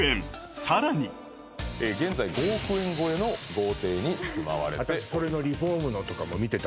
さらに現在５億円超えの豪邸に住まわれてえっホントですか？